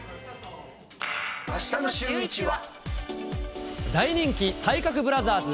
あしたのシューイチは。